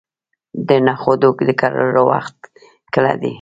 د نخودو د کرلو وخت کله دی؟